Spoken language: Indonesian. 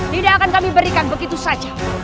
tidak akan kami berikan begitu saja